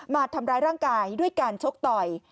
มาทำร้ายร่างกายด้วยการชกต่อย